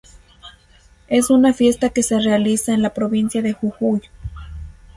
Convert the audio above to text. Es una fiesta que se realiza en la provincia de Jujuy.